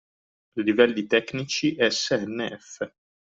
Livelli tecnici SNF.